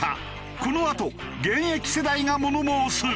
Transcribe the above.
このあと現役世代が物申す！